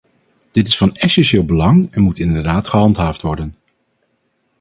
Dit is van essentieel belang en moet inderdaad gehandhaafd worden.